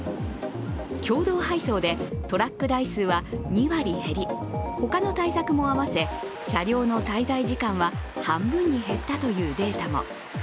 共同配送でトラック台数は２割減り他の対策も合わせ車両の滞在時間は半分に減ったというデータも。